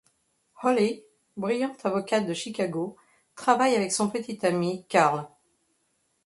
Holly, brillante avocate de Chicago, travaille avec son petit ami Karl.